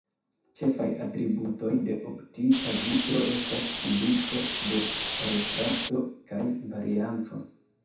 Ĉefaj atributoj de optika vitro estas indico de refrakto kaj varianco.